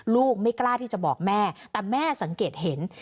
ลูกไม่กล้าที่จะบอกแม่แต่แม่สังเกตเห็น